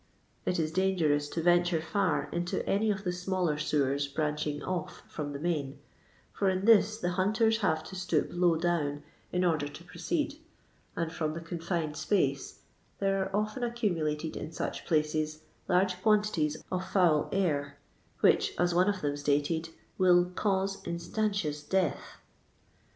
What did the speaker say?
It is dangerous to venture far into any of the smaller sewers branching off from the main, for in this the "hunters" huve to stoop low down in order to proceed ; and, from the confined space, there are often accumulated in such places, large quantities of foul air, which, as one of them stated, will " cause instantious death."